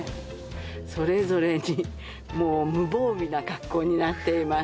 それぞれにもう無防備な格好になっています